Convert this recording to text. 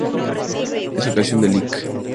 En esa ocasión el Lic.